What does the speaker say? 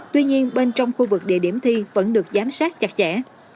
tuy nhiên bên trong khu vực địa điểm thi vẫn được giám sát chặt chẽ